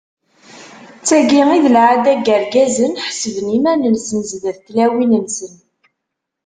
D tagi i d lɛada n yirgazen, ḥessben iman-nsen sdat n tlawin-nsen.